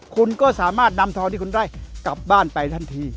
คุณก็สามารถนำทองที่คุณได้กลับบ้านไปทันที